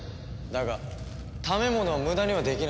だが食べ物を無駄にはできない。